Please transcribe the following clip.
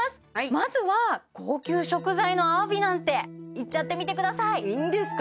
まずは高級食材のアワビなんていっちゃってみてくださいいいんですか？